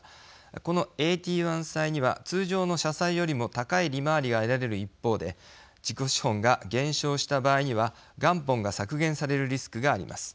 このＡＴ１債には通常の社債よりも高い利回りが得られる一方で自己資本が減少した場合には元本が削減されるリスクがあります。